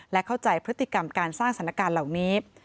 และเข้าใจพฤติกรรมการสร้างสถานการณ์เหล่านี้